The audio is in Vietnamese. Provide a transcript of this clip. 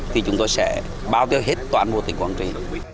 thì chúng tôi sẽ bao tiêu hết toàn bộ tỉnh quảng trị